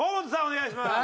お願いします。